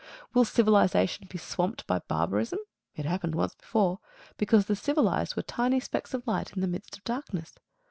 Will civilisation be swamped by barbarism? It happened once before, because the civilised were tiny specks of light in the midst of darkness.